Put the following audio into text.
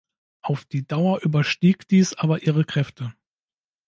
Auf die Dauer überstieg dies aber ihre Kräfte.